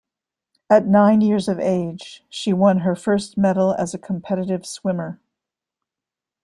At nine years of age, she won her first medal as a competitive swimmer.